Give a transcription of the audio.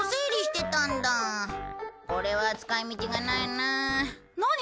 これは使い道がないなあ。